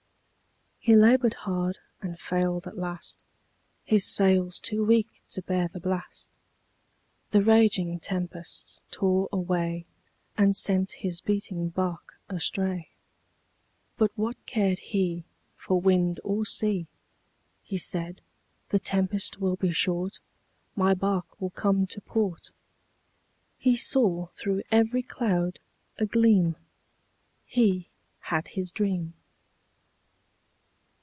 He labored hard and failed at last, His sails too weak to bear the blast, The raging tempests tore away And sent his beating bark astray. But what cared he For wind or sea! He said, "The tempest will be short, My bark will come to port." He saw through every cloud a gleam He had his dream.